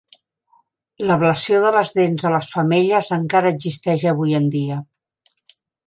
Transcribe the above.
L'ablació de les dents a les femelles encara existeix avui en dia.